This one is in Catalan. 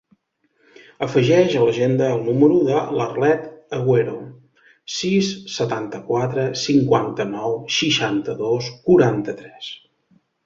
Afegeix a l'agenda el número de l'Arlet Aguero: sis, setanta-quatre, cinquanta-nou, seixanta-dos, quaranta-tres.